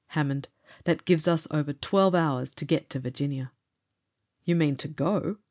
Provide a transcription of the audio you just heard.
"Hammond, that gives us over twelve hours to get to Virginia!" "You mean to go?